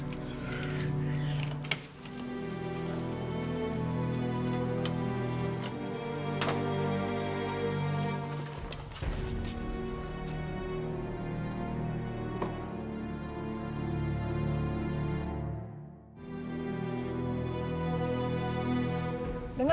abis itu pindah ke despon